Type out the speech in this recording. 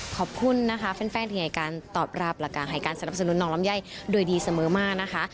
ขอบคุณนะคะแฟนที่ให้การตอบรับหลักการให้การสนับสนุนน้องลำไยโดยดีเสมอมากนะคะ